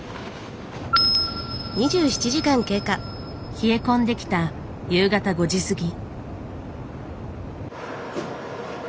冷え込んできた夕方５時過ぎ。